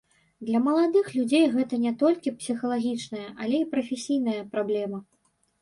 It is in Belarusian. Для маладых людзей гэта не толькі псіхалагічная, але і прафесійная праблема.